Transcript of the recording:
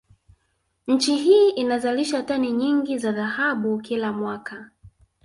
Nchi hii inazalisha tani nyingi za dhahabu kila mwaka